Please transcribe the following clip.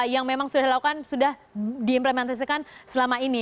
yang memang sudah dilakukan sudah diimplementasikan selama ini